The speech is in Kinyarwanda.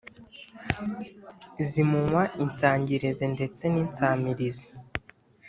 zimunywa insangirizi ndetse ninsamirizi.